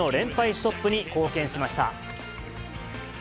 ストップに貢献しました。